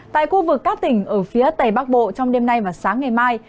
tại khu vực các tỉnh ở phía tây bắc bộ trong đêm nay và sáng ngày mai